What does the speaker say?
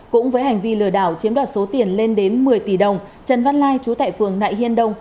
cũng với hành vi lừa đảo chiếm đoạt số tiền lên đến một mươi tỷ đồng trần văn lai chú tại phường nại hiên đông